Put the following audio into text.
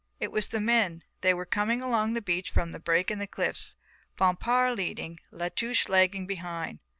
It was the men, they were coming along the beach from the break in the cliffs. Bompard leading, La Touche lagging behind.